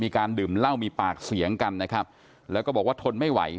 มีการดื่มเหล้ามีปากเสียงกันนะครับแล้วก็บอกว่าทนไม่ไหว